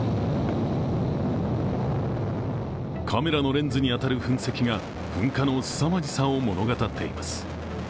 カメラのレンズに当たる噴石が噴火のすさまじさを物語っています。